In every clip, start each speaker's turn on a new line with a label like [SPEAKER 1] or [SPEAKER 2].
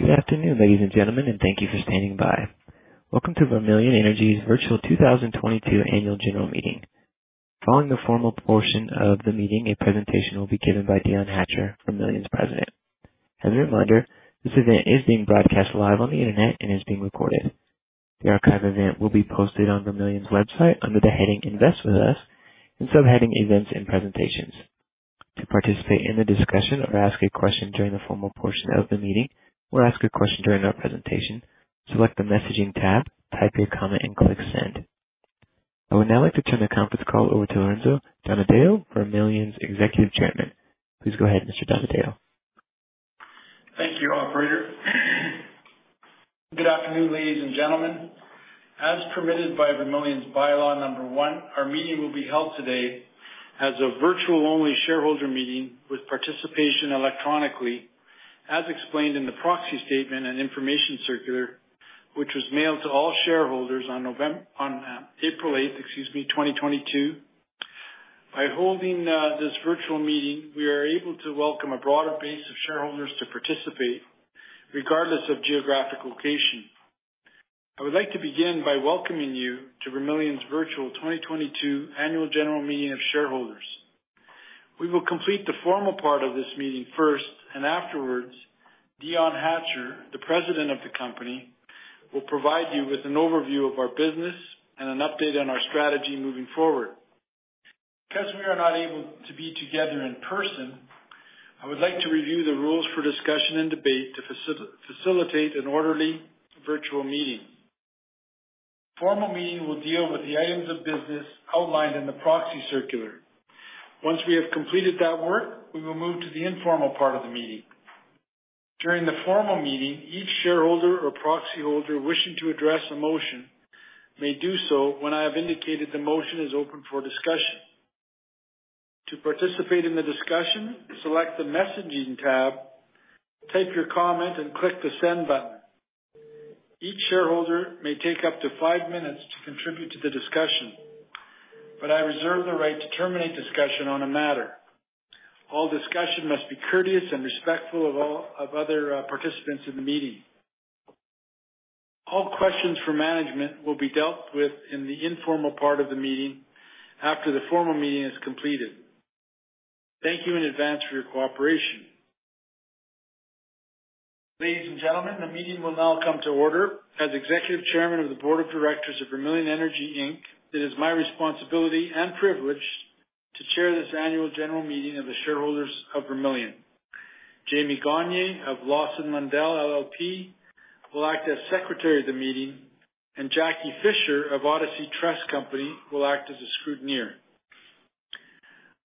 [SPEAKER 1] Good afternoon, ladies and gentlemen, and thank you for standing by. Welcome to Vermilion Energy's virtual 2022 annual general meeting. Following the formal portion of the meeting, a presentation will be given by Dion Hatcher, Vermilion's President. As a reminder, this event is being broadcast live on the internet and is being recorded. The archived event will be posted on Vermilion's website under the heading Invest With Us and subheading Events and Presentations. To participate in the discussion or ask a question during the formal portion of the meeting or ask a question during our presentation, select the Messaging tab, type your comment and click Send. I would now like to turn the conference call over to Lorenzo Donadeo, Vermilion's Executive Chairman. Please go ahead, Mr. Donadeo.
[SPEAKER 2] Thank you, operator. Good afternoon, ladies and gentlemen. As permitted by Vermilion's bylaw number 1, our meeting will be held today as a virtual-only shareholder meeting with participation electronically, as explained in the proxy statement and information circular, which was mailed to all shareholders on April 8, excuse me, 2022. By holding this virtual meeting, we are able to welcome a broader base of shareholders to participate regardless of geographic location. I would like to begin by welcoming you to Vermilion's virtual 2022 annual general meeting of shareholders. We will complete the formal part of this meeting first, and afterwards, Dion Hatcher, the President of the company, will provide you with an overview of our business and an update on our strategy moving forward. Because we are not able to be together in person, I would like to review the rules for discussion and debate to facilitate an orderly virtual meeting. The formal meeting will deal with the items of business outlined in the proxy circular. Once we have completed that work, we will move to the informal part of the meeting. During the formal meeting, each shareholder or proxy holder wishing to address a motion may do so when I have indicated the motion is open for discussion. To participate in the discussion, select the Messaging tab, type your comment, and click the Send button. Each shareholder may take up to five minutes to contribute to the discussion, but I reserve the right to terminate discussion on a matter. All discussion must be courteous and respectful of all other participants in the meeting. All questions for management will be dealt with in the informal part of the meeting after the formal meeting is completed. Thank you in advance for your cooperation. Ladies and gentlemen, the meeting will now come to order. As Executive Chairman of the board of directors of Vermilion Energy Inc., it is my responsibility and privilege to chair this annual general meeting of the shareholders of Vermilion. Jamie Gagner of Lawson Lundell LLP will act as Secretary of the meeting, and Jacquie Fisher of Odyssey Trust Company will act as a scrutineer.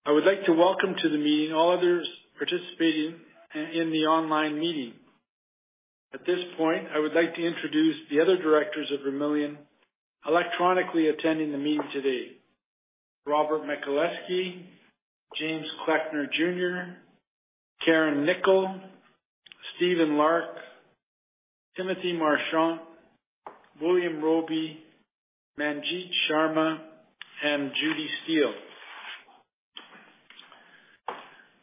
[SPEAKER 2] I would like to welcome to the meeting all others participating in the online meeting. At this point, I would like to introduce the other directors of Vermilion electronically attending the meeting today. Robert Michaleski, James Kleckner Jr., Carin Knickel, Stephen Larke, Timothy Marchant, William Roby, Manjit Sharma, and Judy Steele.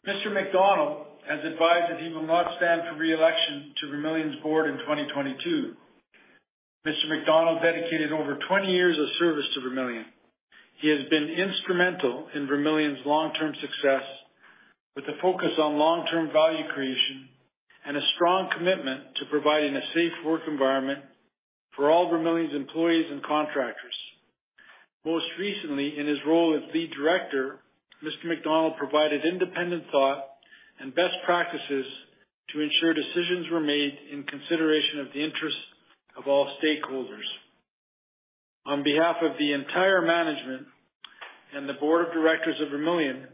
[SPEAKER 2] Mr. Marchant has advised that he will not stand for re-election to Vermilion's board in 2022. Mr. Marchant dedicated over 20 years of service to Vermilion. He has been instrumental in Vermilion's long-term success with a focus on long-term value creation and a strong commitment to providing a safe work environment for all Vermilion's employees and contractors. Most recently, in his role as lead director, Mr. Marchant provided independent thought and best practices to ensure decisions were made in consideration of the interests of all stakeholders. On behalf of the entire management and the board of directors of Vermilion,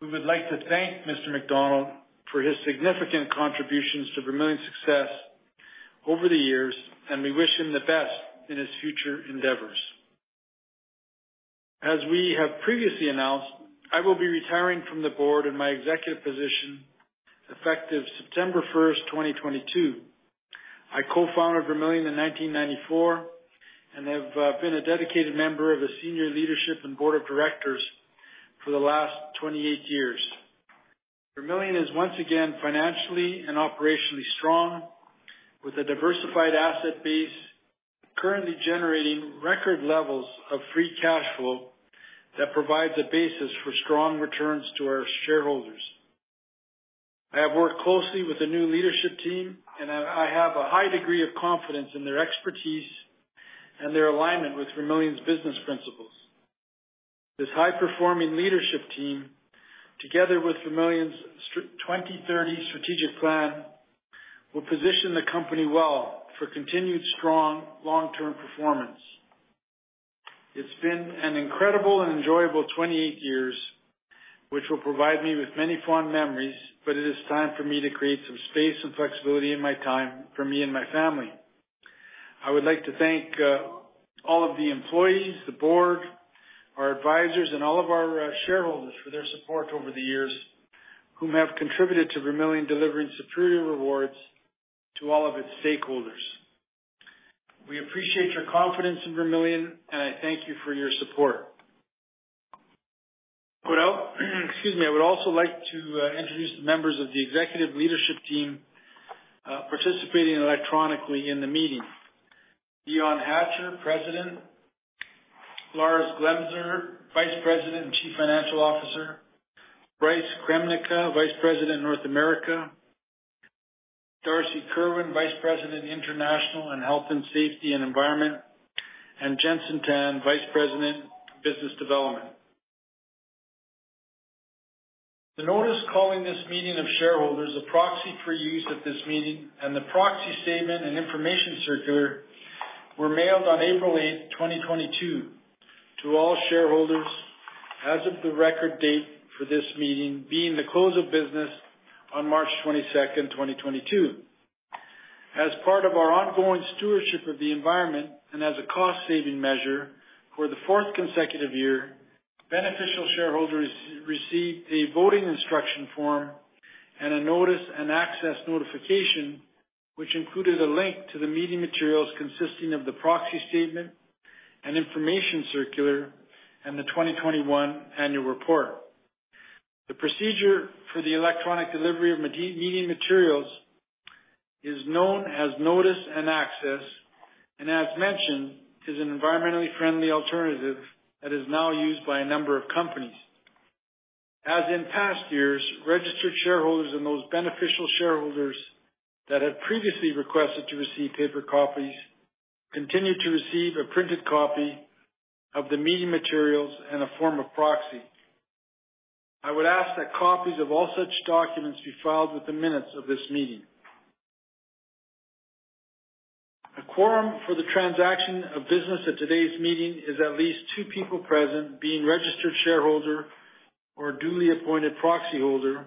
[SPEAKER 2] we would like to thank Mr. Marchant for his significant contributions to Vermilion's success over the years, and we wish him the best in his future endeavors. As we have previously announced, I will be retiring from the board and my executive position effective September 1, 2022. I co-founded Vermilion in 1994 and have been a dedicated member of the senior leadership and board of directors for the last 28 years. Vermilion is once again financially and operationally strong with a diversified asset base currently generating record levels of free cash flow that provides a basis for strong returns to our shareholders. I have worked closely with the new leadership team, and I have a high degree of confidence in their expertise and their alignment with Vermilion's business principles. This high-performing leadership team, together with Vermilion's 2030 strategic plan, will position the company well for continued strong long-term performance. It's been an incredible and enjoyable 28 years, which will provide me with many fond memories, but it is time for me to create some space and flexibility in my time for me and my family. I would like to thank all of the employees, the board, our advisors, and all of our shareholders for their support over the years, whom have contributed to Vermilion delivering superior rewards to all of its stakeholders. We appreciate your confidence in Vermilion, and I thank you for your support. Excuse me. I would also like to introduce the members of the executive leadership team participating electronically in the meeting. Dion Hatcher, President. Lars Glemser, Vice President and Chief Financial Officer. Bryce Kremco, Vice President, North America. Darcy Kerwin, Vice President, International and Health and Safety and Environment, and Jenson Tan, Vice President, Business Development. The notice calling this meeting of shareholders, the proxy for use at this meeting, and the proxy statement and information circular were mailed on April 8, 2022 to all shareholders as of the record date for this meeting being the close of business on March 22, 2022. As part of our ongoing stewardship of the environment and as a cost-saving measure for the fourth consecutive year, beneficial shareholders received a voting instruction form and a Notice and Access notification, which included a link to the meeting materials consisting of the proxy statement and information circular and the 2021 annual report. The procedure for the electronic delivery of meeting materials is known as Notice and Access, and as mentioned, is an environmentally friendly alternative that is now used by a number of companies. As in past years, registered shareholders and those beneficial shareholders that had previously requested to receive paper copies continue to receive a printed copy of the meeting materials and a form of proxy. I would ask that copies of all such documents be filed with the minutes of this meeting. A quorum for the transaction of business at today's meeting is at least two people present being registered shareholder or duly appointed proxyholder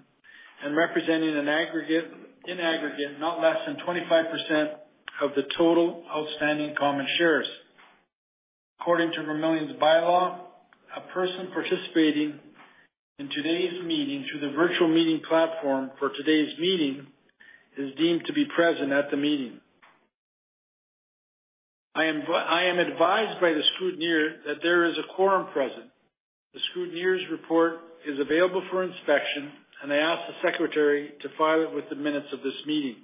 [SPEAKER 2] and representing an aggregate, in aggregate, not less than 25% of the total outstanding common shares. According to Vermilion's bylaws, a person participating in today's meeting through the virtual meeting platform for today's meeting is deemed to be present at the meeting. I am advised by the scrutineer that there is a quorum present. The scrutineer's report is available for inspection, and I ask the secretary to file it with the minutes of this meeting.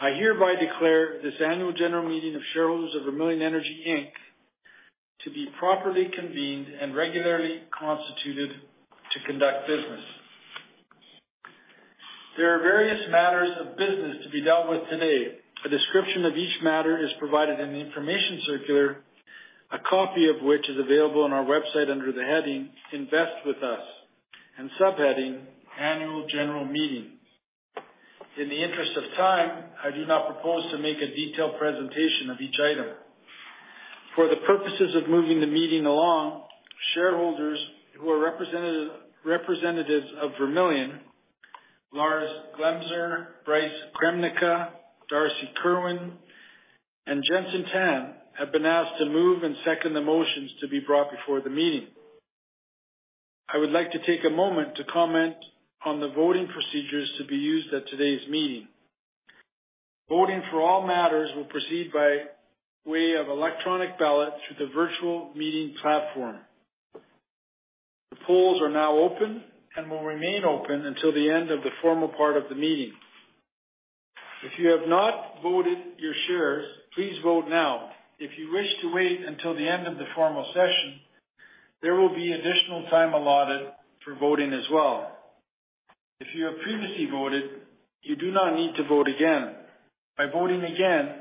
[SPEAKER 2] I hereby declare this annual general meeting of shareholders of Vermilion Energy Inc. to be properly convened and regularly constituted to conduct business. There are various matters of business to be dealt with today. A description of each matter is provided in the information circular, a copy of which is available on our website under the heading Invest With Us, and subheading, Annual General Meeting. In the interest of time, I do not propose to make a detailed presentation of each item. For the purposes of moving the meeting along, shareholders who are representatives of Vermilion, Lars Glemser, Bryce Kremnica, Darcy Kerwin, and Jenson Tan, have been asked to move and second the motions to be brought before the meeting. I would like to take a moment to comment on the voting procedures to be used at today's meeting. Voting for all matters will proceed by way of electronic ballot through the virtual meeting platform. The polls are now open and will remain open until the end of the formal part of the meeting. If you have not voted your shares, please vote now. If you wish to wait until the end of the formal session, there will be additional time allotted for voting as well. If you have previously voted, you do not need to vote again. By voting again,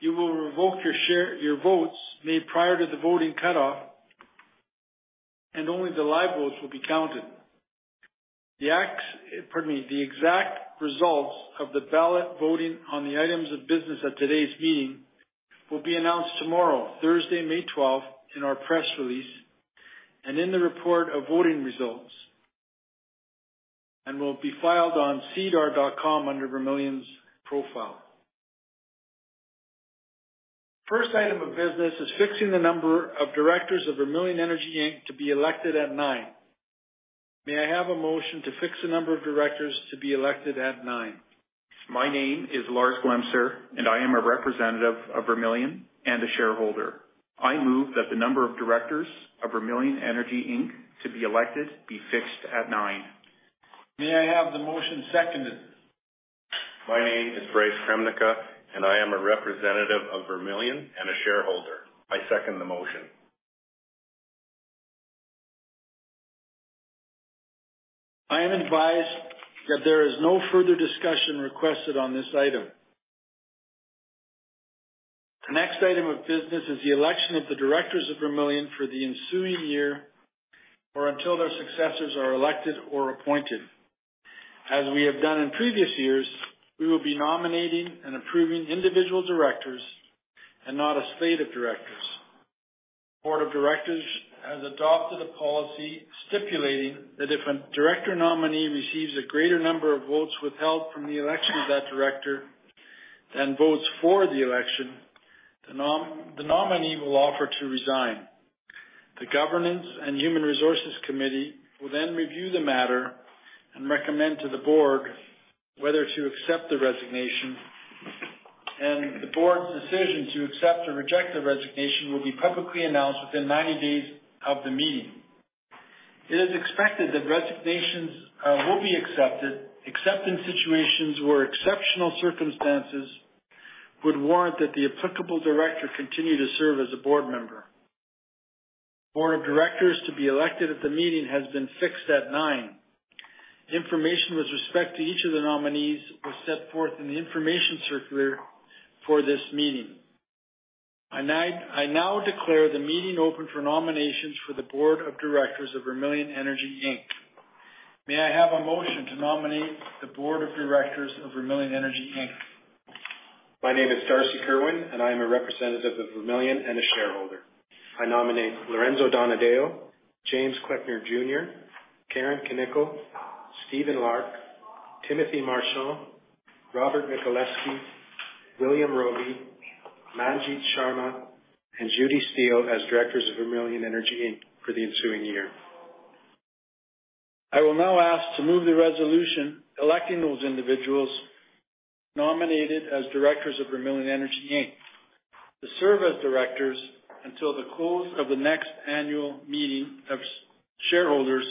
[SPEAKER 2] you will revoke your share, your votes made prior to the voting cutoff, and only the live votes will be counted. Pardon me. The exact results of the ballot voting on the items of business at today's meeting will be announced tomorrow, Thursday, May 12, in our press release and in the report of voting results, and will be filed on SEDAR.com under Vermilion's profile. First item of business is fixing the number of directors of Vermilion Energy Inc. to be elected at 9. May I have a motion to fix the number of directors to be elected at 9?
[SPEAKER 3] My name is Lars Glemser, and I am a representative of Vermilion Energy and a shareholder. I move that the number of directors of Vermilion Energy Inc. to be elected be fixed at nine.
[SPEAKER 2] May I have the motion seconded?
[SPEAKER 4] My name is Bryce Kremnica, and I am a representative of Vermilion and a shareholder. I second the motion.
[SPEAKER 2] I am advised that there is no further discussion requested on this item. The next item of business is the election of the directors of Vermilion for the ensuing year or until their successors are elected or appointed. As we have done in previous years, we will be nominating and approving individual directors and not a slate of directors. Board of Directors has adopted a policy stipulating that if a director nominee receives a greater number of votes withheld from the election of that director than votes for the election, the nominee will offer to resign. The Governance and Human Resources Committee will then review and recommend to the board whether to accept the resignation. The board's decision to accept or reject the resignation will be publicly announced within 90 days of the meeting. It is expected that resignations will be accepted, except in situations where exceptional circumstances would warrant that the applicable director continue to serve as a board member. Board of Directors to be elected at the meeting has been fixed at nine. Information with respect to each of the nominees was set forth in the information circular for this meeting. I now declare the meeting open for nominations for the Board of Directors of Vermilion Energy Inc. May I have a motion to nominate the Board of Directors of Vermilion Energy Inc.?
[SPEAKER 5] My name is Darcy Kerwin, and I am a representative of Vermilion and a shareholder. I nominate Lorenzo Donadeo, James J. Kleckner Jr., Carin Knickel, Stephen Larke, Timothy Marchant, Robert Michaleski, William Roby, Manjit Sharma, and Judy Steele as directors of Vermilion Energy Inc. for the ensuing year.
[SPEAKER 2] I will now ask to move the resolution electing those individuals nominated as directors of Vermilion Energy Inc. to serve as directors until the close of the next annual meeting of shareholders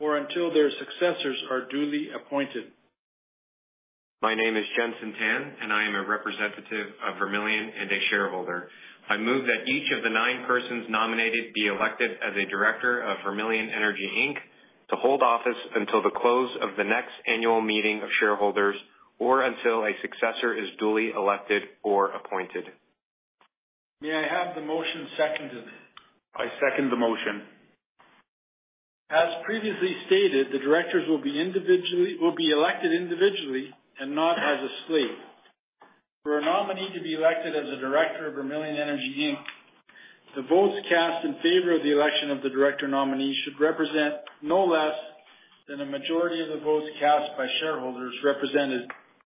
[SPEAKER 2] or until their successors are duly appointed.
[SPEAKER 6] My name is Jenson Tan, and I am a representative of Vermilion and a shareholder. I move that each of the nine persons nominated be elected as a director of Vermilion Energy Inc. to hold office until the close of the next annual meeting of shareholders or until a successor is duly elected or appointed.
[SPEAKER 2] May I have the motion seconded?
[SPEAKER 5] I second the motion.
[SPEAKER 2] As previously stated, the directors will be elected individually and not as a slate. For a nominee to be elected as a director of Vermilion Energy Inc., the votes cast in favor of the election of the director nominees should represent no less than a majority of the votes cast by shareholders represented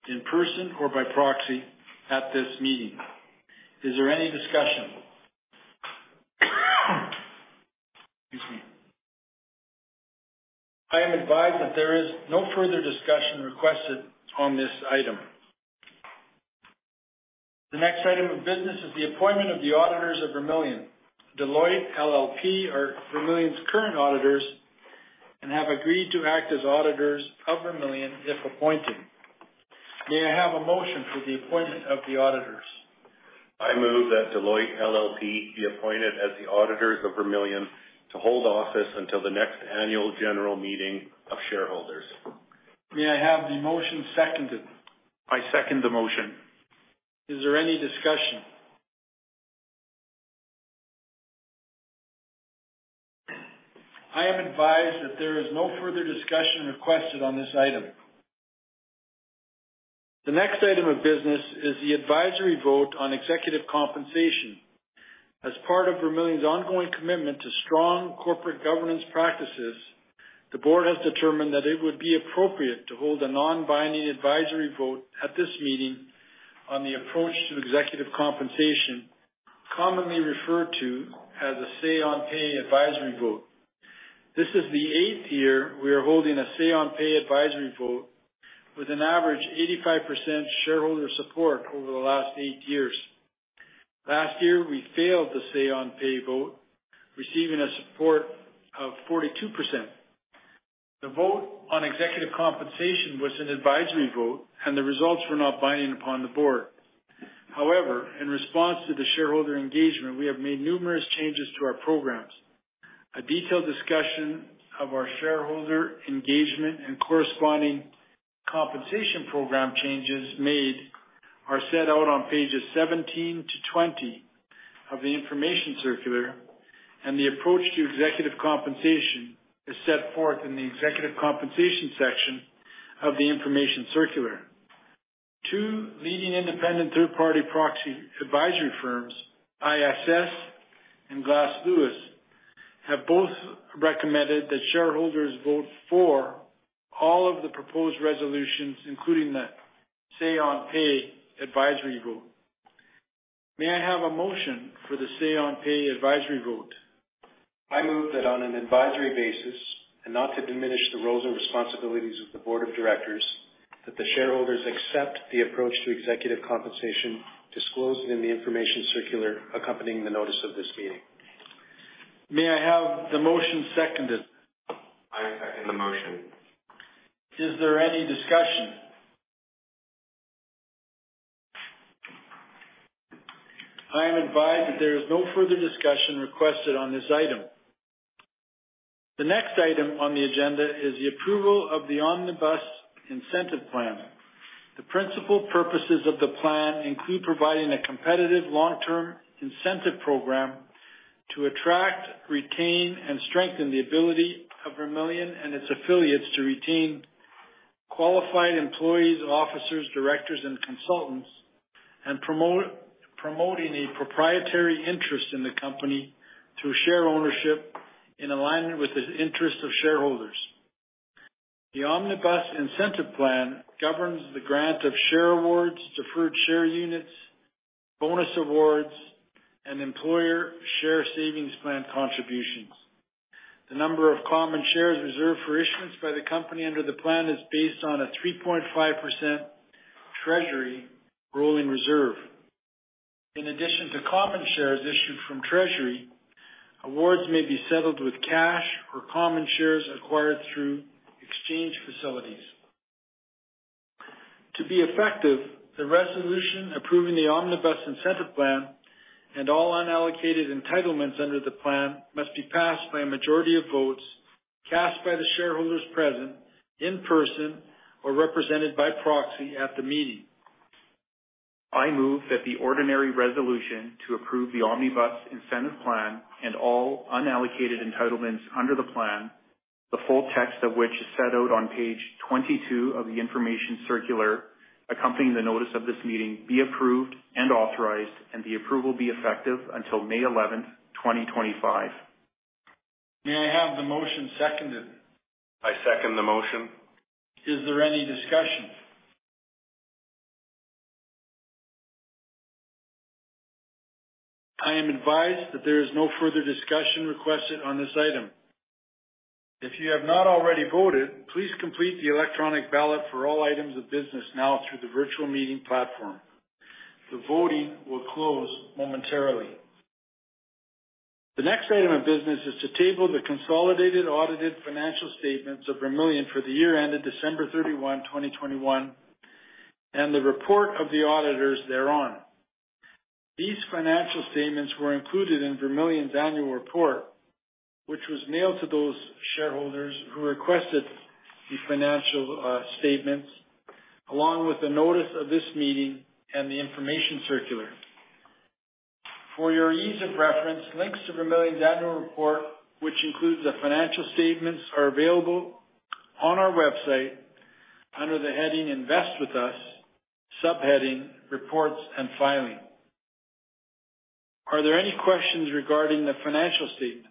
[SPEAKER 2] in person or by proxy at this meeting. Is there any discussion? Excuse me. I am advised that there is no further discussion requested on this item. The next item of business is the appointment of the auditors of Vermilion. Deloitte LLP are Vermilion's current auditors and have agreed to act as auditors of Vermilion if appointed. May I have a motion for the appointment of the auditors?
[SPEAKER 5] I move that Deloitte LLP be appointed as the auditors of Vermilion to hold office until the next annual general meeting of shareholders.
[SPEAKER 2] May I have the motion seconded?
[SPEAKER 5] I second the motion.
[SPEAKER 2] Is there any discussion? I am advised that there is no further discussion requested on this item. The next item of business is the advisory vote on executive compensation. As part of Vermilion's ongoing commitment to strong corporate governance practices, the board has determined that it would be appropriate to hold a non-binding advisory vote at this meeting on the approach to executive compensation, commonly referred to as a say on pay advisory vote. This is the eighth year we are holding a say on pay advisory vote with an average 85% shareholder support over the last eight years. Last year, we failed the say on pay vote, receiving a support of 42%. The vote on executive compensation was an advisory vote, and the results were not binding upon the board. However, in response to the shareholder engagement, we have made numerous changes to our programs. A detailed discussion of our shareholder engagement and corresponding compensation program changes made are set out on pages 17-20 of the information circular, and the approach to executive compensation is set forth in the executive compensation section of the information circular. Two leading independent third-party proxy advisory firms, ISS and Glass Lewis, have both recommended that shareholders vote for all of the proposed resolutions, including the Say-on-Pay advisory vote. May I have a motion for the Say-on-Pay advisory vote?
[SPEAKER 5] I move that on an advisory basis and not to diminish the roles and responsibilities of the board of directors, that the shareholders accept the approach to executive compensation disclosed in the information circular accompanying the notice of this meeting.
[SPEAKER 2] May I have the motion seconded?
[SPEAKER 6] I second the motion.
[SPEAKER 2] Is there any discussion? I am advised that there is no further discussion requested on this item. The next item on the agenda is the approval of the Omnibus Incentive Plan. The principal purposes of the plan include providing a competitive long-term incentive program to attract, retain, and strengthen the ability of Vermilion and its affiliates to retain qualified employees, officers, directors, and consultants, and promoting a proprietary interest in the company through share ownership in alignment with the interest of shareholders. The Omnibus Incentive Plan governs the grant of share awards, deferred share units, bonus awards and employer share savings plan contributions. The number of common shares reserved for issuance by the company under the plan is based on a 3.5% treasury rolling reserve. In addition to common shares issued from treasury, awards may be settled with cash or common shares acquired through exchange facilities. To be effective, the resolution approving the Omnibus Incentive Plan and all unallocated entitlements under the plan must be passed by a majority of votes cast by the shareholders present in person or represented by proxy at the meeting.
[SPEAKER 7] I move that the ordinary resolution to approve the Omnibus Incentive Plan and all unallocated entitlements under the plan, the full text of which is set out on page 22 of the information circular accompanying the notice of this meeting, be approved and authorized, and the approval be effective until May 11, 2025.
[SPEAKER 2] May I have the motion seconded?
[SPEAKER 7] I second the motion.
[SPEAKER 2] Is there any discussion? I am advised that there is no further discussion requested on this item. If you have not already voted, please complete the electronic ballot for all items of business now through the virtual meeting platform. The voting will close momentarily. The next item of business is to table the consolidated audited financial statements of Vermilion for the year ended December 31, 2021, and the report of the auditors thereon. These financial statements were included in Vermilion's annual report, which was mailed to those shareholders who requested the financial statements, along with the notice of this meeting and the information circular. For your ease of reference, links to Vermilion's annual report, which includes the financial statements, are available on our website under the heading Invest With Us, subheading Reports and Filing. Are there any questions regarding the financial statements?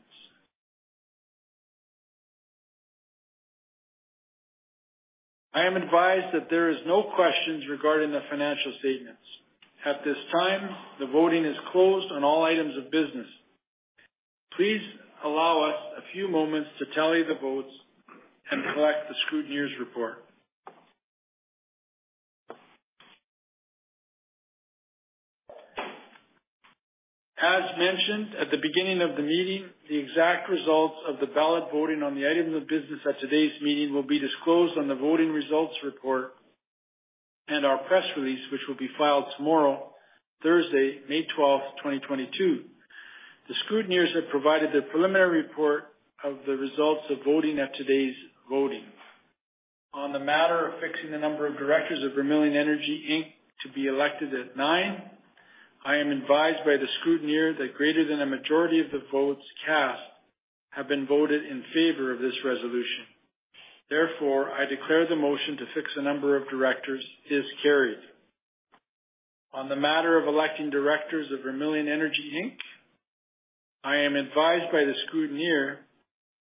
[SPEAKER 2] I am advised that there is no questions regarding the financial statements. At this time, the voting is closed on all items of business. Please allow us a few moments to tally the votes and collect the scrutineer's report. As mentioned at the beginning of the meeting, the exact results of the ballot voting on the items of business at today's meeting will be disclosed on the voting results report and our press release, which will be filed tomorrow, Thursday, May 12, 2022. The scrutineers have provided the preliminary report of the results of voting at today's voting. On the matter of fixing the number of directors of Vermilion Energy Inc. to be elected at nine, I am advised by the scrutineer that greater than a majority of the votes cast have been voted in favor of this resolution. Therefore, I declare the motion to fix the number of directors is carried. On the matter of electing directors of Vermilion Energy Inc., I am advised by the scrutineer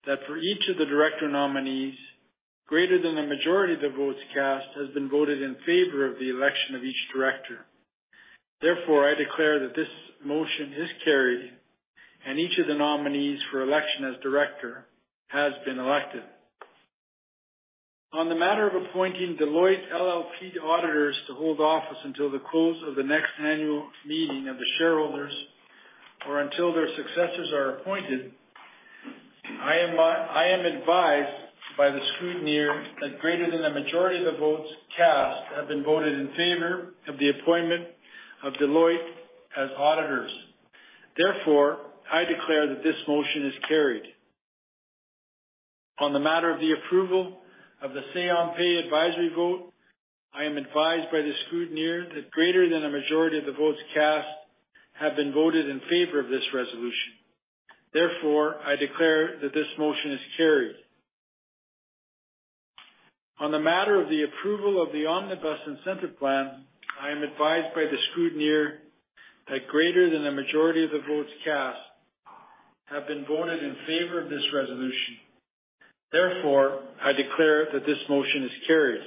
[SPEAKER 2] that for each of the director nominees, greater than the majority of the votes cast has been voted in favor of the election of each director. Therefore, I declare that this motion is carried, and each of the nominees for election as director has been elected. On the matter of appointing Deloitte LLP auditors to hold office until the close of the next annual meeting of the shareholders or until their successors are appointed, I am advised by the scrutineer that greater than the majority of the votes cast have been voted in favor of the appointment of Deloitte as auditors. Therefore, I declare that this motion is carried. On the matter of the approval of the Say-on-Pay advisory vote, I am advised by the scrutineer that greater than a majority of the votes cast have been voted in favor of this resolution. Therefore, I declare that this motion is carried. On the matter of the approval of the Omnibus Incentive Plan, I am advised by the scrutineer that greater than the majority of the votes cast have been voted in favor of this resolution. Therefore, I declare that this motion is carried.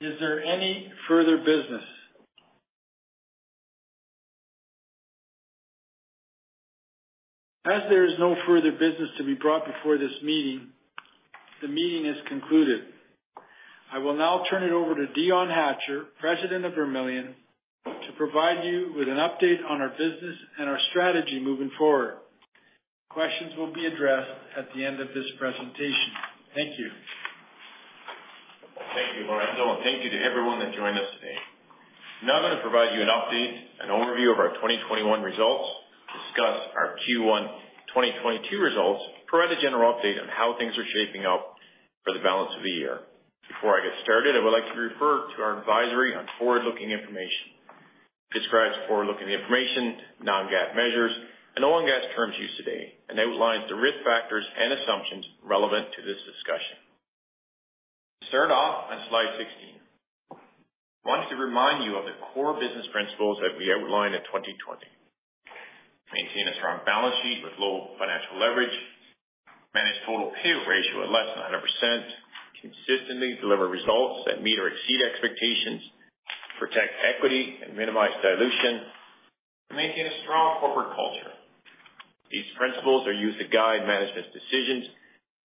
[SPEAKER 2] Is there any further business? As there is no further business to be brought before this meeting, the meeting is concluded. I will now turn it over to Dion Hatcher, President of Vermilion, to provide you with an update on our business and our strategy moving forward. Questions will be addressed at the end of this presentation. Thank you.
[SPEAKER 7] Thank you, Lorenzo, and thank you to everyone that joined us today. Now I'm gonna provide you an update and overview of our 2021 results, discuss our Q1 2022 results, provide a general update on how things are shaping up for the balance of the year. Before I get started, I would like to refer to our advisory on forward-looking information. Describes forward-looking information, non-GAAP measures, and all GAAP terms used today, and outlines the risk factors and assumptions relevant to this discussion. To start off on slide 16, I wanted to remind you of the core business principles that we outlined in 2020. Maintain a strong balance sheet with low financial leverage, manage total payout ratio of less than 100%, consistently deliver results that meet or exceed expectations, protect equity and minimize dilution, and maintain a strong corporate culture. These principles are used to guide management's decisions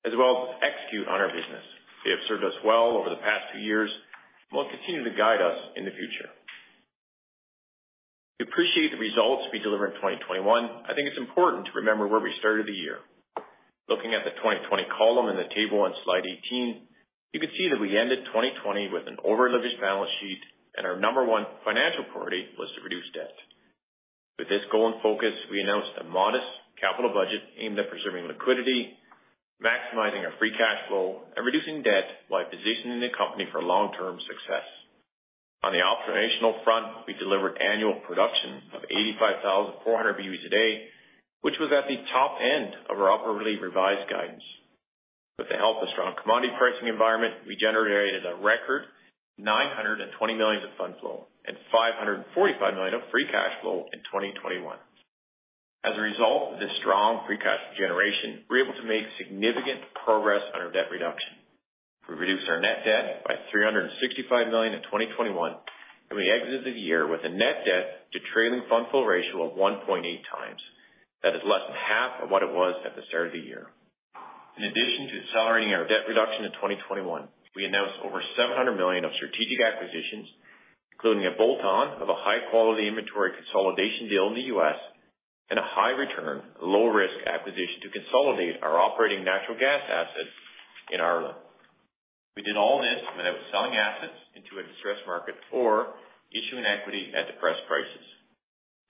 [SPEAKER 7] as well as execute on our business. They have served us well over the past few years and will continue to guide us in the future. To appreciate the results we delivered in 2021, I think it's important to remember where we started the year. Looking at the 2020 column in the table on slide 18, you can see that we ended 2020 with an over-leveraged balance sheet and our number one financial priority was to reduce debt. With this goal in focus, we announced a modest capital budget aimed at preserving liquidity, maximizing our free cash flow, and reducing debt while positioning the company for long-term success. On the operational front, we delivered annual production of 85,400 BOEs a day, which was at the top end of our upwardly revised guidance. With the help of strong commodity pricing environment, we generated a record 920 million of funds flow and 545 million of free cash flow in 2021. As a result of this strong free cash generation, we were able to make significant progress on our debt reduction. We reduced our net debt by 365 million in 2021, and we exited the year with a net debt to trailing fund flow ratio of 1.8 times. That is less than half of what it was at the start of the year. In addition to accelerating our debt reduction in 2021, we announced over 700 million of strategic acquisitions, including a bolt-on of a high-quality inventory consolidation deal in the U.S. and a high return, low risk acquisition to consolidate our operating natural gas assets in Ireland. We did all this without selling assets into a distressed market or issuing equity at depressed prices.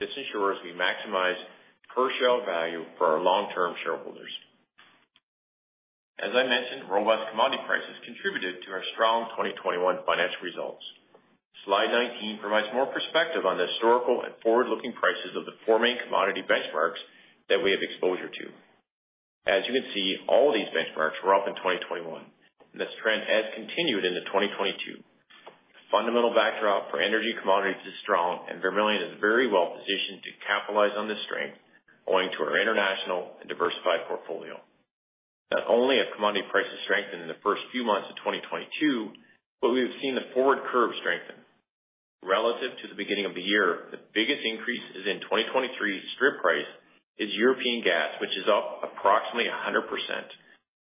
[SPEAKER 7] This ensures we maximize per share value for our long-term shareholders. As I mentioned, robust commodity prices contributed to our strong 2021 financial results. Slide 19 provides more perspective on the historical and forward-looking prices of the four main commodity benchmarks that we have exposure to. As you can see, all these benchmarks were up in 2021. This trend has continued into 2022. Fundamental backdrop for energy commodities is strong, and Vermilion is very well positioned to capitalize on this strength owing to our international and diversified portfolio. Not only have commodity prices strengthened in the first few months of 2022, but we have seen the forward curve strengthen. Relative to the beginning of the year, the biggest increase is in 2023 strip price for European gas, which is up approximately 100%.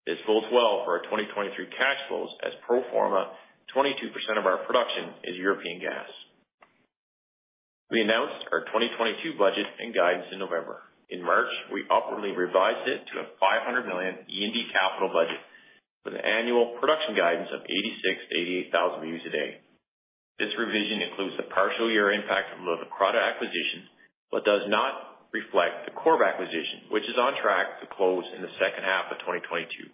[SPEAKER 7] This bodes well for our 2023 cash flows as pro forma 22% of our production is European gas. We announced our 2022 budget and guidance in November. In March, we upwardly revised it to a 500 million E&D capital budget with an annual production guidance of 86,000-88,000 BOE/d. This revision includes the partial year impact of the Leucrotta acquisition, but does not reflect the Corrib acquisition, which is on track to close in the second half of 2022.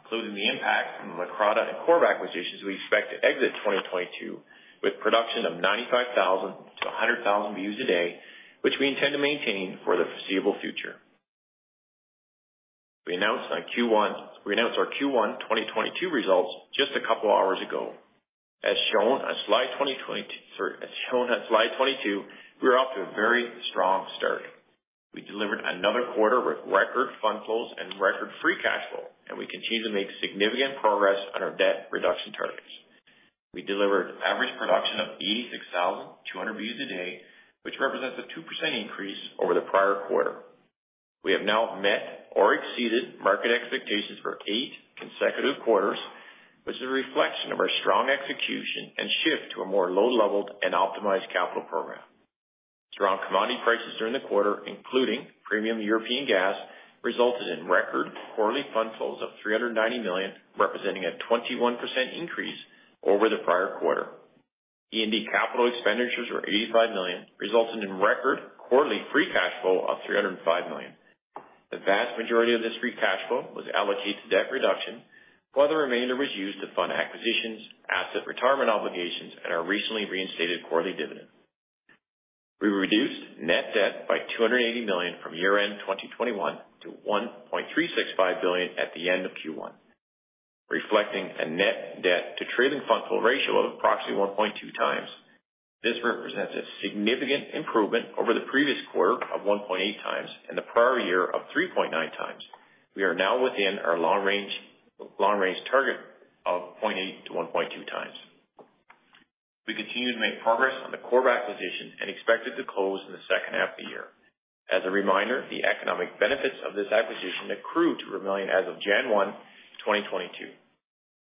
[SPEAKER 7] Including the impact from Leucrotta and Corrib acquisitions, we expect to exit 2022 with production of 95,000-100,000 BOE/d, which we intend to maintain for the foreseeable future. We announced our Q1 2022 results just a couple of hours ago. As shown on slide 22, we are off to a very strong start. We delivered another quarter with record fund flows and record free cash flow, and we continue to make significant progress on our debt reduction targets. We delivered average production of 86,200 BOE/d, which represents a 2% increase over the prior quarter. We have now met or exceeded market expectations for 8 consecutive quarters, which is a reflection of our strong execution and shift to a more low-leveraged and optimized capital program. Strong commodity prices during the quarter, including premium European gas, resulted in record quarterly fund flows of 390 million, representing a 21% increase over the prior quarter. E&D capital expenditures were 85 million, resulting in record quarterly free cash flow of 305 million. The vast majority of this free cash flow was allocated to debt reduction, while the remainder was used to fund acquisitions, asset retirement obligations, and our recently reinstated quarterly dividend. We reduced net debt by 280 million from year-end 2021 to 1.365 billion at the end of Q1, reflecting a net debt to trailing fund flow ratio of approximately 1.2 times. This represents a significant improvement over the previous quarter of 1.8 times and the prior year of 3.9 times. We are now within our long range target of 0.8 to 1.2 times. We continue to make progress on the Corrib acquisition and expect it to close in the second half of the year. As a reminder, the economic benefits of this acquisition accrue to Vermilion as of January 1, 2022,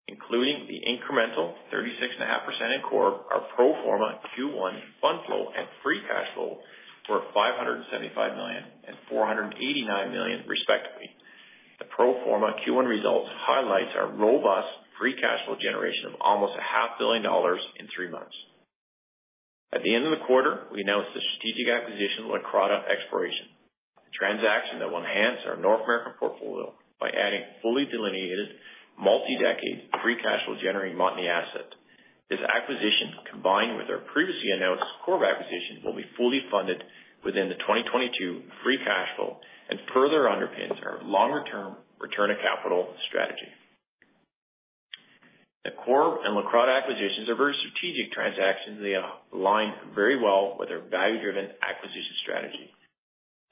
[SPEAKER 7] including the incremental 36.5% in Corrib. Our pro forma Q1 fund flow and free cash flow were 575 million and 489 million, respectively. The pro forma Q1 results highlights our robust free cash flow generation of almost a half billion dollars in three months. At the end of the quarter, we announced the strategic acquisition of Leucrotta Exploration, a transaction that will enhance our North American portfolio by adding fully delineated multi-decade free cash flow generating Montney asset. This acquisition, combined with our previously announced Corrib acquisition, will be fully funded within the 2022 free cash flow and further underpins our longer-term return on capital strategy. The Corrib and Leucrotta acquisitions are very strategic transactions. They align very well with their value-driven acquisition strategy.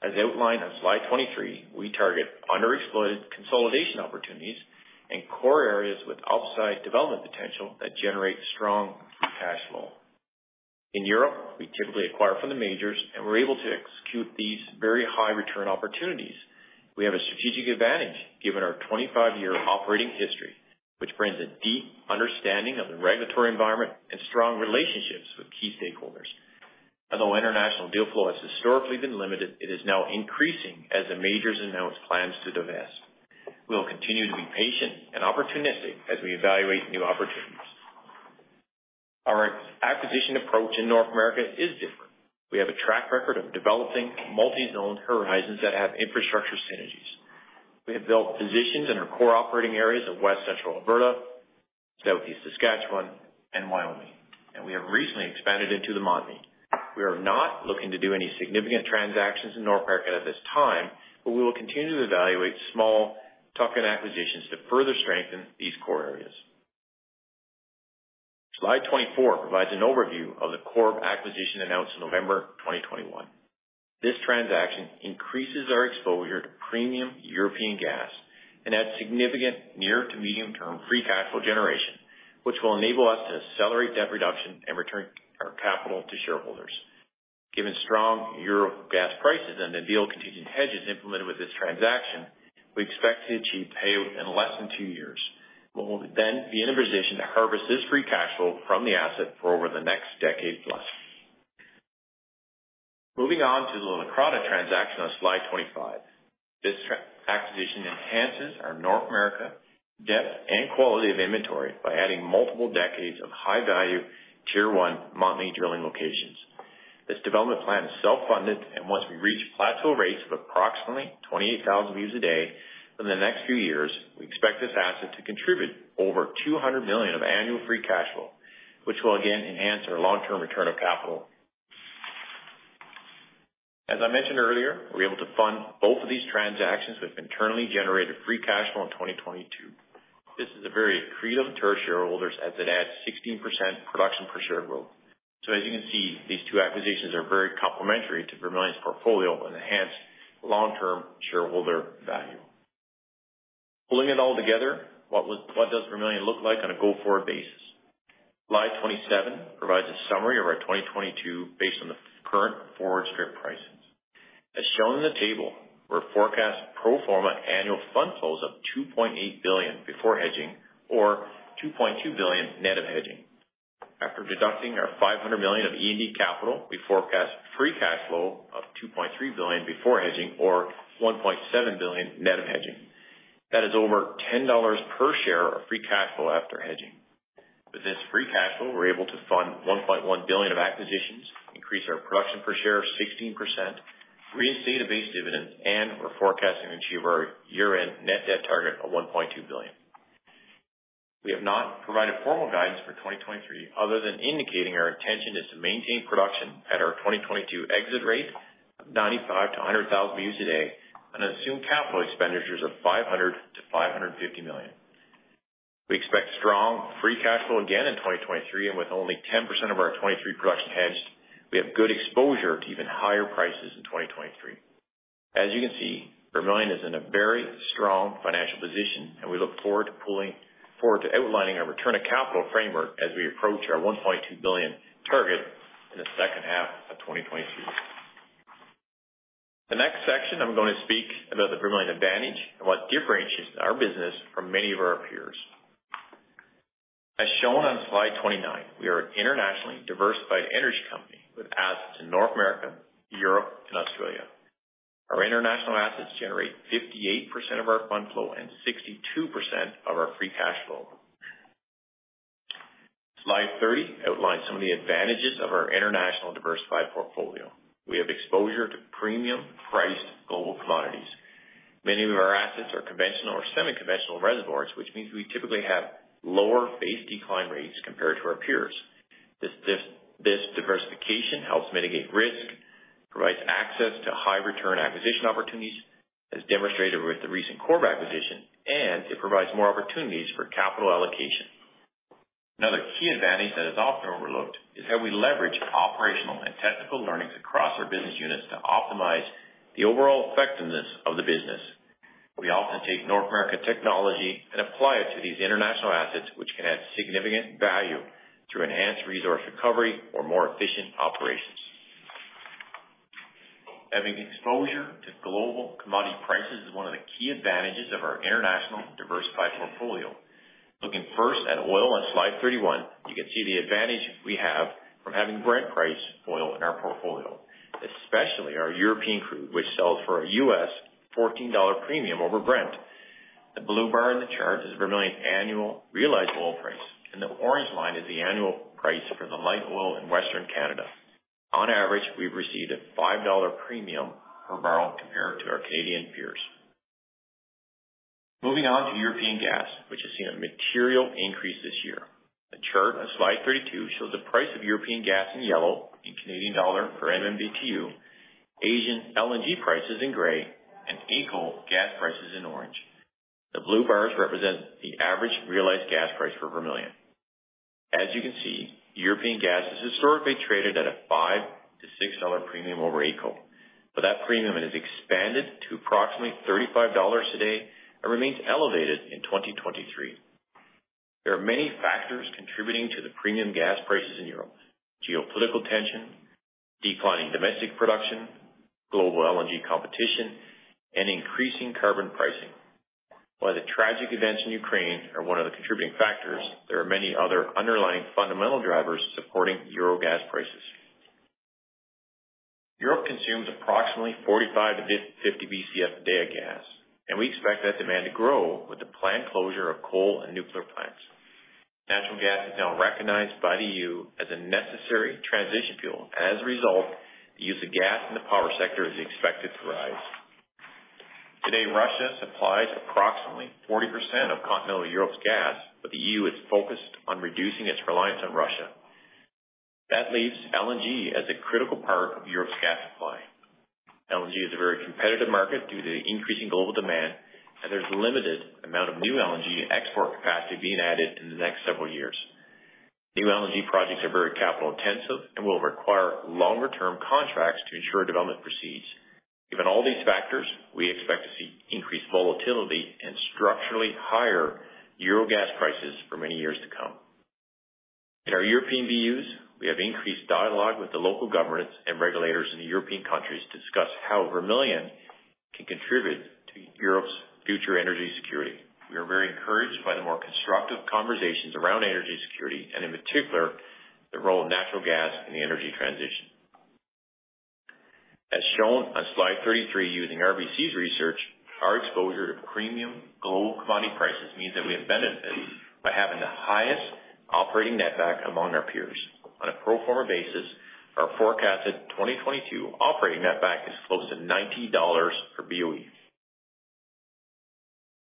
[SPEAKER 7] As outlined on slide 23, we target underexploited consolidation opportunities in core areas with upside development potential that generate strong cash flow. In Europe, we typically acquire from the majors, and we're able to execute these very high return opportunities. We have a strategic advantage given our 25-year operating history, which brings a deep understanding of the regulatory environment and strong relationships with key stakeholders. Although international deal flow has historically been limited, it is now increasing as the majors announce plans to divest. We'll continue to be patient and opportunistic as we evaluate new opportunities. Our acquisition approach in North America is different. We have a track record of developing multi-zoned horizons that have infrastructure synergies. We have built positions in our core operating areas of West Central Alberta, Southeast Saskatchewan, and Wyoming, and we have recently expanded into the Montney. We are not looking to do any significant transactions in North America at this time, but we will continue to evaluate small tuck-in acquisitions to further strengthen these core areas. Slide 24 provides an overview of the Corrib acquisition announced in November 2021. This transaction increases our exposure to premium European gas and adds significant near to medium-term free cash flow generation, which will enable us to accelerate debt reduction and return our capital to shareholders. Given strong Euro gas prices and the deal contingent hedges implemented with this transaction, we expect to achieve payout in less than two years. We will then be in a position to harvest this free cash flow from the asset for over the next decade plus. Moving on to the Leucrotta transaction on slide 25. This acquisition enhances our North America depth and quality of inventory by adding multiple decades of high value tier one Montney drilling locations. This development plan is self-funded, and once we reach plateau rates of approximately 28,000 BOEs a day in the next few years, we expect this asset to contribute over 200 million of annual free cash flow, which will again enhance our long-term return of capital. As I mentioned earlier, we're able to fund both of these transactions with internally generated free cash flow in 2022. This is very accretive to our shareholders as it adds 16% production per share growth. As you can see, these two acquisitions are very complementary to Vermilion's portfolio and enhance long-term shareholder value. Pulling it all together, what does Vermilion look like on a go-forward basis? Slide 27 provides a summary of our 2022 based on the current forward strip pricing. As shown in the table, we forecast pro forma annual fund flows of 2.8 billion before hedging or 2.2 billion net of hedging. After deducting our 500 million of E&D capital, we forecast free cash flow of 2.3 billion before hedging or 1.7 billion net of hedging. That is over 10 dollars per share of free cash flow after hedging. With this free cash flow, we're able to fund 1.1 billion of acquisitions, increase our production per share of 16%, reinstate a base dividend, and we're forecasting to achieve our year-end net debt target of 1.2 billion. We have not provided formal guidance for 2023, other than indicating our intention is to maintain production at our 2022 exit rate of 95,000-100,000 BOE/d on assumed capital expenditures of 500 million-550 million. We expect strong free cash flow again in 2023, and with only 10% of our 2023 production hedged, we have good exposure to even higher prices in 2023. As you can see, Vermilion is in a very strong financial position, and we look forward to outlining our return of capital framework as we approach our 1.2 billion target in the second half of 2022. The next section, I'm gonna speak about the Vermilion advantage and what differentiates our business from many of our peers. As shown on slide 29, we are an internationally diversified energy company with assets in North America, Europe, and Australia. Our international assets generate 58% of our fund flow and 62% of our free cash flow. Slide 30 outlines some of the advantages of our international diversified portfolio. We have exposure to premium priced global commodities. Many of our assets are conventional or semi-conventional reservoirs, which means we typically have lower phase decline rates compared to our peers. This diversification helps mitigate risk, provides access to high return acquisition opportunities, as demonstrated with the recent Corrib acquisition, and it provides more opportunities for capital allocation. Another key advantage that is often overlooked is how we leverage operational and technical learnings across our business units to optimize the overall effectiveness of the business. We often take North American technology and apply it to these international assets, which can add significant value through enhanced resource recovery or more efficient operations. Having exposure to global commodity prices is one of the key advantages of our international diversified portfolio. Looking first at oil on slide 31, you can see the advantage we have from having Brent-priced oil in our portfolio, especially our European crude, which sells for a $14 premium over Brent. The blue bar in the chart is Vermilion's annual realized oil price, and the orange line is the annual price for the light oil in Western Canada. On average, we've received a 5 dollar premium per barrel compared to our Canadian peers. Moving on to European gas, which has seen a material increase this year. Chart on slide 32 shows the price of European gas in yellow in CAD per MMBtu, Asian LNG prices in gray, and AECO gas prices in orange. The blue bars represent the average realized gas price for Vermilion. As you can see, European gas has historically traded at a 5-6 dollar premium over AECO, but that premium has expanded to approximately 35 dollars today and remains elevated in 2023. There are many factors contributing to the premium gas prices in Europe. Geopolitical tension, declining domestic production, global LNG competition, and increasing carbon pricing. While the tragic events in Ukraine are one of the contributing factors, there are many other underlying fundamental drivers supporting Euro gas prices. Europe consumes approximately 45-50 BCF a day of gas, and we expect that demand to grow with the planned closure of coal and nuclear plants. Natural gas is now recognized by the EU as a necessary transition fuel, and as a result, the use of gas in the power sector is expected to rise. Today, Russia supplies approximately 40% of continental Europe's gas, but the EU is focused on reducing its reliance on Russia. That leaves LNG as a critical part of Europe's gas supply. LNG is a very competitive market due to the increasing global demand, and there's limited amount of new LNG export capacity being added in the next several years. New LNG projects are very capital intensive and will require longer term contracts to ensure development proceeds. Given all these factors, we expect to see increased volatility and structurally higher euro gas prices for many years to come. In our European BUs, we have increased dialogue with the local governments and regulators in the European countries to discuss how Vermilion can contribute to Europe's future energy security. We are very encouraged by the more constructive conversations around energy security and in particular, the role of natural gas in the energy transition. As shown on slide 33 using RBC's research, our exposure to premium global commodity prices means that we have benefited by having the highest operating netback among our peers. On a pro forma basis, our forecasted 2022 operating netback is close to $90 per BOE.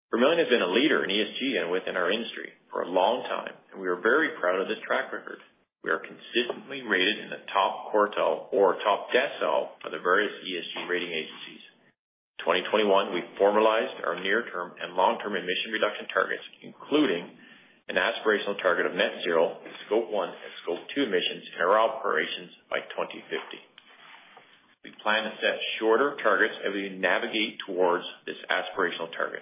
[SPEAKER 7] Vermilion has been a leader in ESG and within our industry for a long time, and we are very proud of this track record. We are consistently rated in the top quartile or top decile of the various ESG rating agencies. In 2021, we formalized our near term and long-term emission reduction targets, including an aspirational target of net zero in Scope 1 and Scope 2 emissions in our operations by 2050. We plan to set shorter targets as we navigate towards this aspirational target.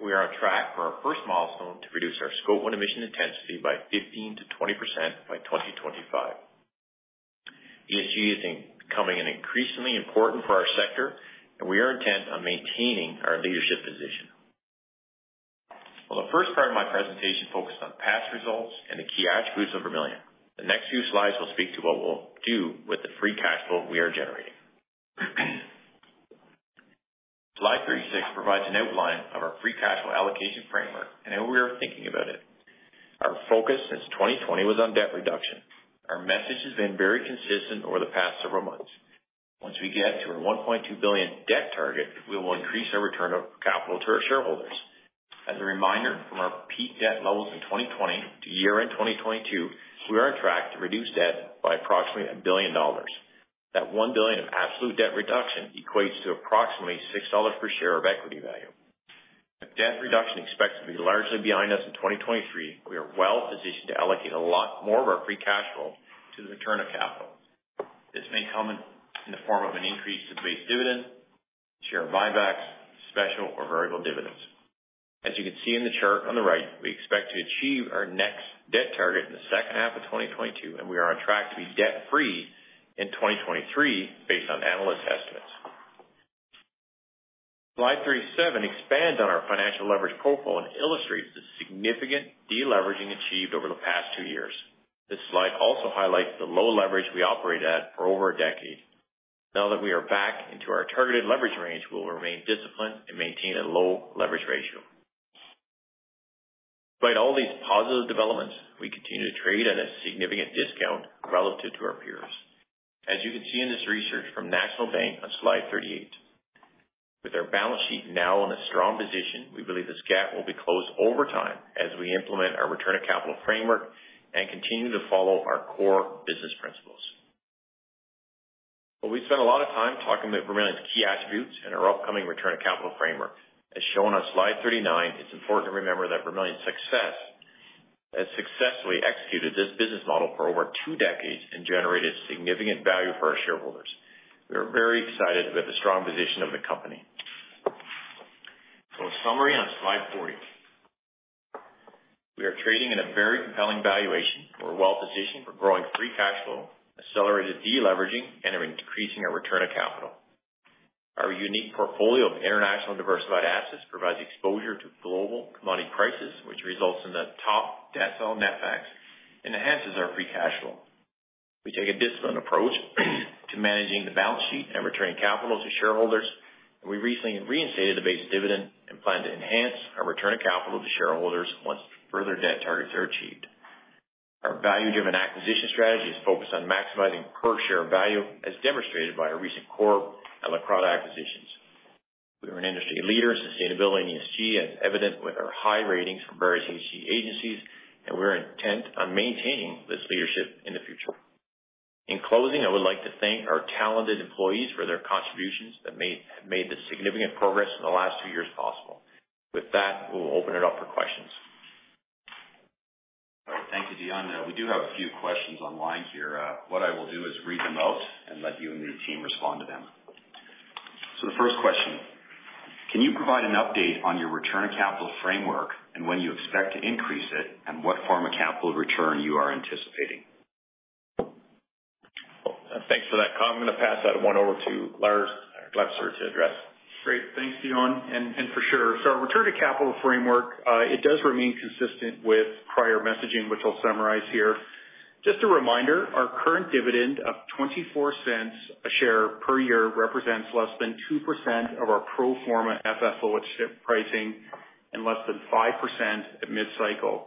[SPEAKER 7] We are on track for our first milestone to reduce our Scope 1 emission intensity by 15%-20% by 2025. ESG is becoming an increasingly important for our sector and we are intent on maintaining our leadership position. While the first part of my presentation focused on past results and the key attributes of Vermilion, the next few slides will speak to what we'll do with the free cash flow we are generating. Slide 36 provides an outline of our free cash flow allocation framework and how we are thinking about it. Our focus since 2020 was on debt reduction. Our message has been very consistent over the past several months. Once we get to our 1.2 billion debt target, we will increase our return of capital to our shareholders. As a reminder, from our peak debt levels in 2020 to year-end 2022, we are on track to reduce debt by approximately 1 billion dollars. That 1 billion of absolute debt reduction equates to approximately 6 dollars per share of equity value. With debt reduction expected to be largely behind us in 2023, we are well-positioned to allocate a lot more of our free cash flow to the return of capital. This may come in the form of an increase to base dividend, share buybacks, special or variable dividends. As you can see in the chart on the right, we expect to achieve our next debt target in the second half of 2022, and we are on track to be debt-free in 2023 based on analyst estimates. Slide 37 expands on our financial leverage profile and illustrates the significant de-leveraging achieved over the past two years. This slide also highlights the low leverage we operate at for over a decade. Now that we are back into our targeted leverage range, we will remain disciplined and maintain a low leverage ratio. Despite all these positive developments, we continue to trade at a significant discount relative to our peers. As you can see in this research from National Bank on slide 38. With our balance sheet now in a strong position, we believe this gap will be closed over time as we implement our return of capital framework and continue to follow our core business principles. We spent a lot of time talking about Vermilion's key attributes and our upcoming return of capital framework. As shown on slide 39, it's important to remember that Vermilion's success has successfully executed this business model for over two decades and generated significant value for our shareholders. We are very excited about the strong position of the company. A summary on slide 40. We are trading at a very compelling valuation. We're well-positioned for growing free cash flow, accelerated de-leveraging, and increasing our return of capital. Our unique portfolio of international diversified assets provides exposure to global commodity prices, which results in the top decile netbacks enhances our free cash flow. We take a disciplined approach to managing the balance sheet and returning capital to shareholders, and we recently reinstated the base dividend and plan to enhance our return of capital to shareholders once further debt targets are achieved. Our value-driven acquisition strategy is focused on maximizing per share value, as demonstrated by our recent Corrib and Leucrotta acquisitions. We are an industry leader in sustainability and ESG, as evident with our high ratings from various ESG agencies, and we're intent on maintaining this leadership in the future. In closing, I would like to thank our talented employees for their contributions that made the significant progress in the last two years possible. With that, we'll open it up for questions.
[SPEAKER 8] All right. Thank you, Dion. We do have a few questions online here. What I will do is read them out and let you and the team respond to them. The first question: Can you provide an update on your return of capital framework and when you expect to increase it and what form of capital return you are anticipating?
[SPEAKER 7] Thanks for that, Kyle. I'm gonna pass that one over to Lars Glemser to address.
[SPEAKER 3] Great. Thanks, Dion. For sure. Our return to capital framework, it does remain consistent with prior messaging, which I'll summarize here. Just a reminder, our current dividend of 0.24 a share per year represents less than 2% of our pro forma FFO at strip pricing and less than 5% at mid-cycle.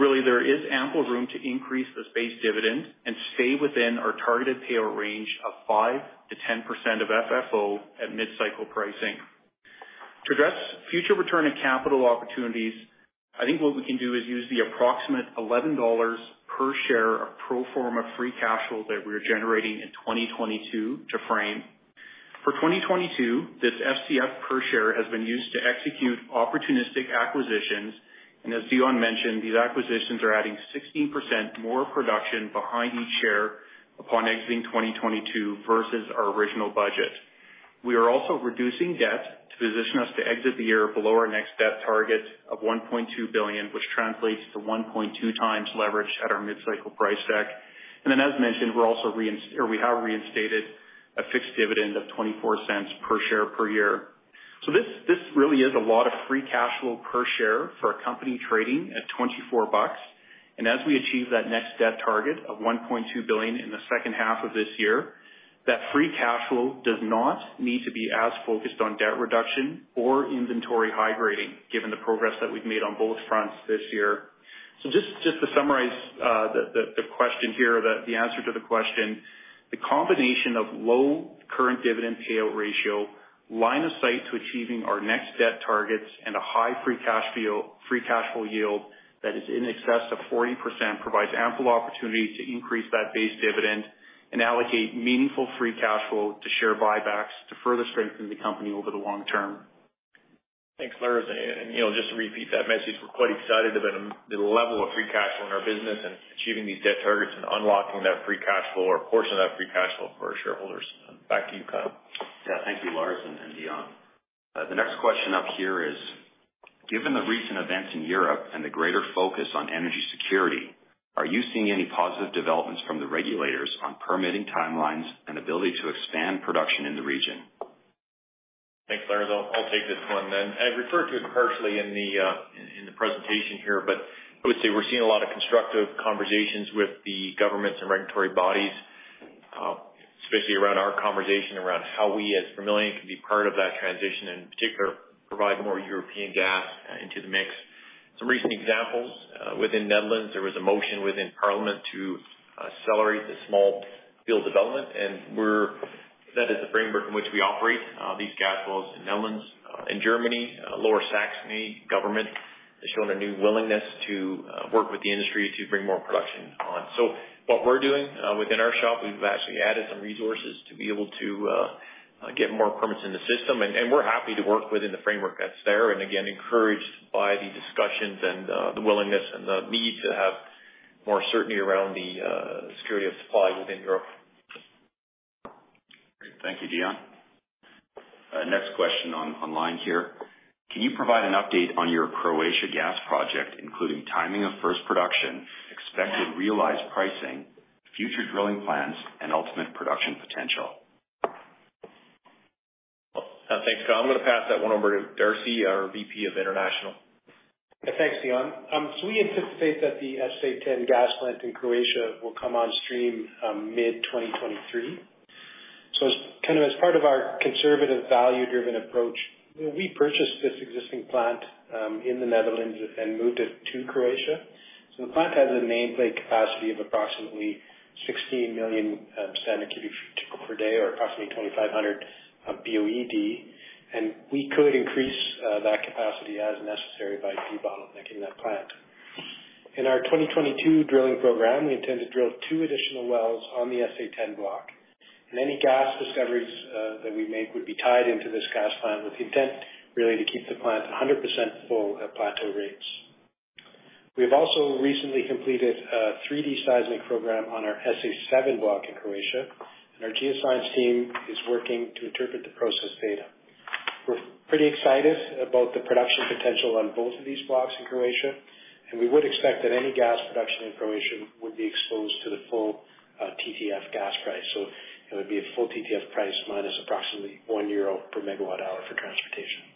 [SPEAKER 3] Really, there is ample room to increase this base dividend and stay within our targeted payout range of 5%-10% of FFO at mid-cycle pricing. To address future return on capital opportunities, I think what we can do is use the approximate 11 dollars per share of pro forma free cash flow that we're generating in 2022 to frame. For 2022, this FCF per share has been used to execute opportunistic acquisitions, and as Dion mentioned, these acquisitions are adding 16% more production behind each share upon exiting 2022 versus our original budget. We are also reducing debt to position us to exit the year below our next debt target of 1.2 billion, which translates to 1.2x leverage at our mid-cycle price deck. As mentioned, we're also or we have reinstated a fixed dividend of 0.24 per share per year. This really is a lot of free cash flow per share for a company trading at 24 bucks. As we achieve that next debt target of 1.2 billion in the second half of this year, that free cash flow does not need to be as focused on debt reduction or inventory high grading given the progress that we've made on both fronts this year. Just to summarize, the answer to the question, the combination of low current dividend payout ratio, line of sight to achieving our next debt targets and a high free cash flow yield that is in excess of 40% provides ample opportunity to increase that base dividend and allocate meaningful free cash flow to share buybacks to further strengthen the company over the long term.
[SPEAKER 7] Thanks, Lars. You know, just to repeat that message, we're quite excited about the level of free cash flow in our business and achieving these debt targets and unlocking that free cash flow or portion of that free cash flow for our shareholders. Back to you, Kyle.
[SPEAKER 8] Yeah. Thank you, Lars and Dion. The next question up here is: Given the recent events in Europe and the greater focus on energy security, are you seeing any positive developments from the regulators on permitting timelines and ability to expand production in the region?
[SPEAKER 7] Thanks, Lars. I'll take this one then. I referred to it partially in the presentation here, but I would say we're seeing a lot of constructive conversations with the governments and regulatory bodies, especially around our conversation around how we as Vermilion can be part of that transition and in particular, provide more European gas into the mix. Some recent examples, within Netherlands, there was a motion within parliament to accelerate the small field development, and it sets a framework in which we operate these gas wells in Netherlands. In Germany, Lower Saxony government has shown a new willingness to work with the industry to bring more production on. What we're doing within our shop, we've actually added some resources to be able to get more permits in the system, and we're happy to work within the framework that's there, and again, encouraged by the discussions and the willingness and the need to have more certainty around the security of supply within Europe.
[SPEAKER 8] Great. Thank you, Dion. Next question on, online here: Can you provide an update on your Croatia gas project, including timing of first production, expected realized pricing, future drilling plans, and ultimate production potential?
[SPEAKER 7] Thanks, Kyle. I'm gonna pass that one over to Darcy, our VP of International.
[SPEAKER 5] Thanks, Dion. We anticipate that the SA-10 gas plant in Croatia will come on stream mid 2023. Kind of as part of our conservative value-driven approach, we purchased this existing plant in the Netherlands and moved it to Croatia. The plant has a nameplate capacity of approximately 16 million standard cubic feet per day or approximately 2,500 BOED, and we could increase that capacity as necessary by debottlenecking that plant. In our 2022 drilling program, we intend to drill two additional wells on the SA-10 block, and any gas discoveries that we make would be tied into this gas plant, with the intent really to keep the plant 100% full at plateau rates. We have also recently completed a 3D seismic program on our SA-7 block in Croatia, and our geoscience team is working to interpret the processed data. We're pretty excited about the production potential on both of these blocks in Croatia, and we would expect that any gas production in Croatia would be exposed to the full TTF gas price. It would be a full TTF price minus approximately 1 euro per megawatt hour for transportation.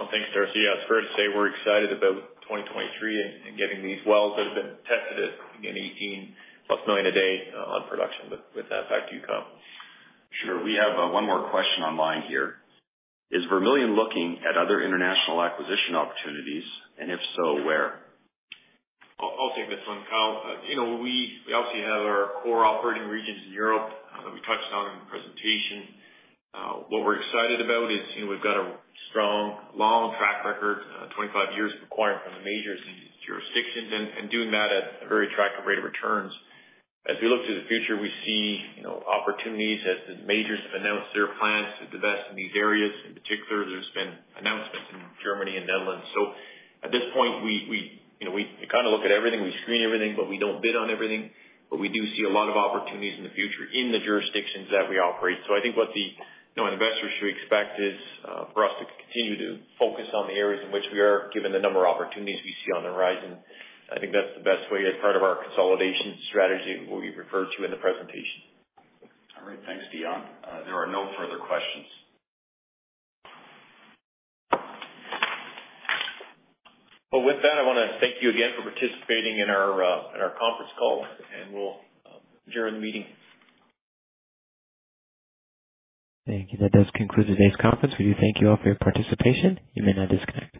[SPEAKER 7] Oh, thanks, Darcy. Yeah, it's fair to say we're excited about 2023 and getting these wells that have been tested at 18+ million a day on production. With that, back to you, Kyle.
[SPEAKER 8] Sure. We have one more question online here. Is Vermilion looking at other international acquisition opportunities, and if so, where?
[SPEAKER 7] I'll take this one, Kyle. You know, we obviously have our core operating regions in Europe that we touched on in the presentation. What we're excited about is we've got a strong long track record, 25 years of acquiring from the majors in these jurisdictions and doing that at a very attractive rate of returns. As we look to the future, we see opportunities as the majors have announced their plans to invest in these areas. In particular, there's been announcements in Germany and Netherlands. At this point we we kind of look at everything, we screen everything, but we don't bid on everything. We do see a lot of opportunities in the future in the jurisdictions that we operate. I think what the investors should expect is for us to continue to focus on the areas in which we are given the number of opportunities we see on the horizon. I think that's the best way as part of our consolidation strategy, what we referred to in the presentation.
[SPEAKER 8] All right. Thanks, Dion. There are no further questions.
[SPEAKER 7] Well, with that, I wanna thank you again for participating in our conference call, and we'll adjourn the meeting.
[SPEAKER 1] Thank you. That does conclude today's conference. We do thank you all for your participation. You may now disconnect.